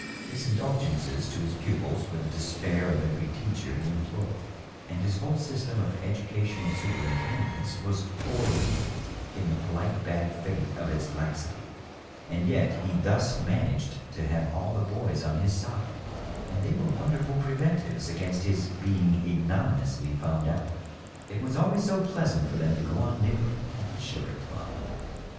His indulgences to his pupils were the despair of every teacher he employed, and his whole system of educa tional superintendence was pour rire in the polite bad faith of its laxity ; and yet he thus managed to have all theboys on his side, and they were wonderful preventives against his being ignominiously found out. It was always so pleasant for them to go on nibbling at the sugar plum.